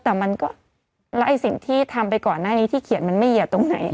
แต่มันก็แล้วไอ้สิ่งที่ทำไปก่อนหน้านี้ที่เขียนมันไม่เหยียดตรงไหน